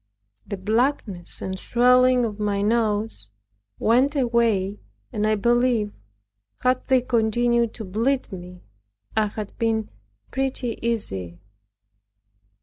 The blackness and swelling of my nose went away and I believe, had they continued to bleed me, I had been pretty easy.